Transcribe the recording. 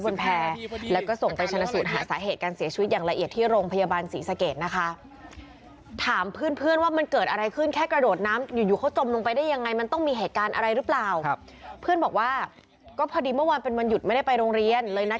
ว่าก็พอดีเมื่อวันเป็นวันหยุดไม่ได้ไปโรงเรียนเลยนัด